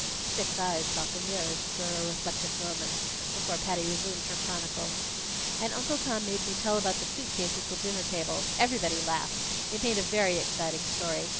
Six eyes sought the mirror for a reflective moment, before Patty resumed her chronicle. "And Uncle Tom made me tell about the suit case at the dinner table. Everybody laughed. It made a very exciting story.